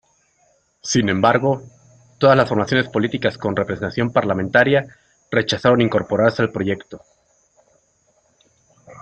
Sin embargo, todas las formaciones políticas con representación parlamentaria rechazaron incorporarse al proyecto.